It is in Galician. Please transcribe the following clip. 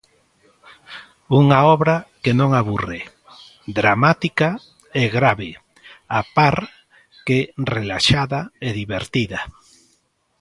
Unha obra que non aburre, dramática e grave á par que relaxada e divertida.